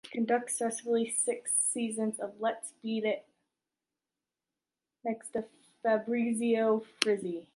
Conducts successfully six seasons of “Let’s bet on it!”, next to Fabrizio Frizzi.